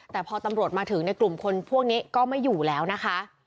แต่พอตำรวจมาถึงในกลุ่มคนพวกนี้ก็ไม่อยู่แล้วนะคะ